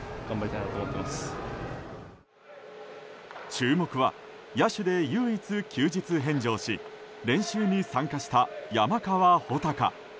注目は、野手で唯一休日返上し練習に参加した山川穂高。